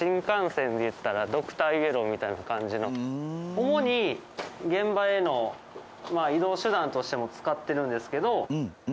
主に現場への移動手段としても使ってるんですけど。